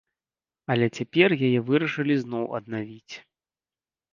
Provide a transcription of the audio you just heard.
Але цяпер яе вырашылі зноў аднавіць.